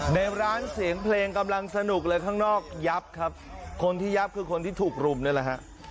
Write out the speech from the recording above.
ในร้านเสียงเพลงกำลังสนุกเลยข้างนอกยับครับคนที่ยับคือคนที่ถูกรุมนี่แหละฮะ